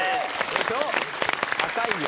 高いよ。